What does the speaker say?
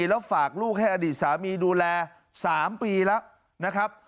แล้วฝากลูกให้อดีตสามีดูแล๓ปีแล้วนะครับ